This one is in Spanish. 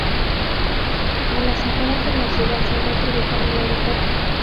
A las afueras de la ciudad se encuentra ubicado el aeropuerto.